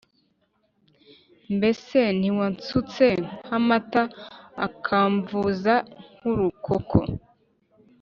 mbese ntiwansutse nk’amata, ukamvuza nk’urukoko’